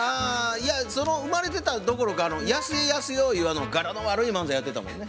いや生まれてたどころかやすえ・やすよゆうガラの悪い漫才やってたもんね。